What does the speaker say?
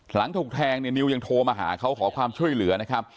หลังถูกแทงเนี่ยนิวยังโทรมาหาเขาขอความช่วยเหลือนะครับ